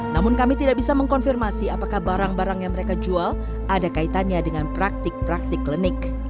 namun kami tidak bisa mengkonfirmasi apakah barang barang yang mereka jual ada kaitannya dengan praktik praktik klinik